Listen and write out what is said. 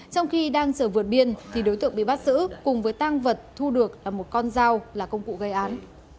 trong khi đang chờ vượt biên thì đối tượng bị bắt giữ cùng với tăng vật thu được là một con dao là công cụ gây án